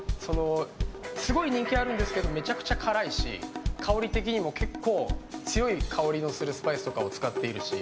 すごい人気あるんですけどめちゃくちゃ辛いし、香り的にも強い香りのするスパイスとかを使っているし。